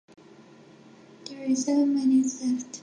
There is seven minutes left.